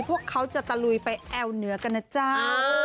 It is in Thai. พวกเขาจะตะลุยไปแอวเหนือกันนะจ๊ะ